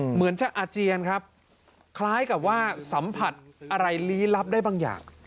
เหมือนจะอาเจียนครับคล้ายกับว่าสัมผัสอะไรลี้ลับได้บางอย่าง